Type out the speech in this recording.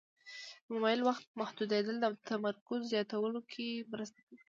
د موبایل وخت محدودول د تمرکز زیاتولو کې مرسته کوي.